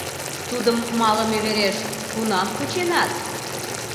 — Тудым малыме вереш кунам кученат?